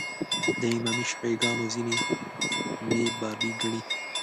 د امامي شیعه ګانو ځینې مې بابي ګڼي.